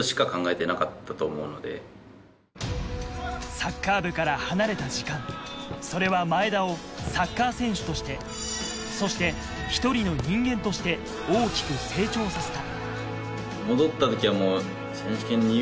サッカー部から離れた時間、それは前田をサッカー選手として、そして一人の人間として大きく成長させた。